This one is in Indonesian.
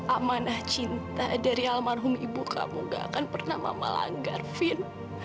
amanah cinta dari almarhum ibu kamu gak akan pernah mama langgar fin